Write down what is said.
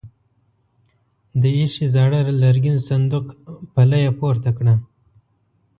د ايښې زاړه لرګين صندوق پله يې پورته کړه.